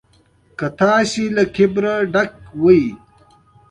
که تاسو له کبره ډک وئ.